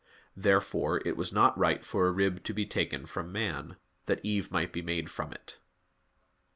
Therefore it was not right for a rib to be taken from the man, that Eve might be made from it.